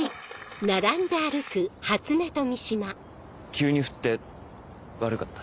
急にふって悪かった。